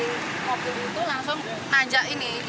mobil itu langsung ngajak ini